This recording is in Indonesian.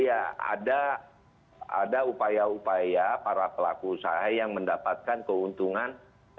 ya ada upaya upaya para pelaku usaha yang mendapatkan keuntungan